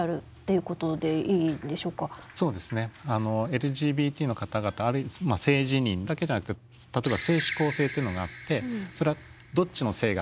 ＬＧＢＴの方々性自認だけじゃなくて例えば性指向性っていうのがあってそれはどっちの性が好きですかと。